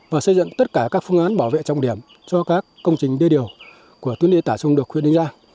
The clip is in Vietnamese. và xây dựng tất cả các phương án bảo vệ trọng điểm cho các công trình đê điều của tuyên đề tả trung được khuyên đánh ra